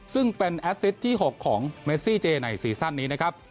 ซึ่งเป็นแอสซิตที่๖ของเมซี่เจในซีซั่นนี้นะครับ